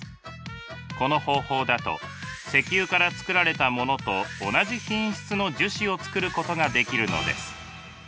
この方法だと石油から作られたものと同じ品質の樹脂を作ることができるのです。